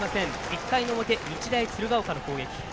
１回の表、日大鶴ヶ丘の攻撃。